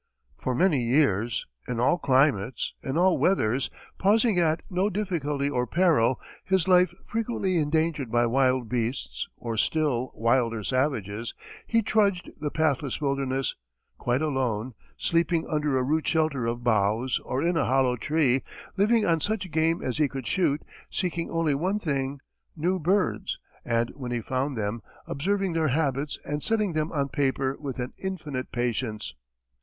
For many years, in all climates, in all weathers, pausing at no difficulty or peril, his life frequently endangered by wild beasts or still wilder savages, he trudged the pathless wilderness, quite alone, sleeping under a rude shelter of boughs or in a hollow tree, living on such game as he could shoot, seeking only one thing, new birds, and when he found them, observing their habits and setting them on paper with an infinite patience.